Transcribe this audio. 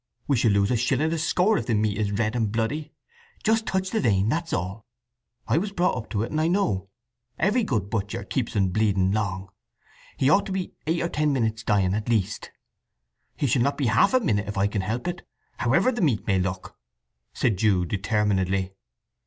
We shall lose a shilling a score if the meat is red and bloody! Just touch the vein, that's all. I was brought up to it, and I know. Every good butcher keeps un bleeding long. He ought to be eight or ten minutes dying, at least." "He shall not be half a minute if I can help it, however the meat may look," said Jude determinedly.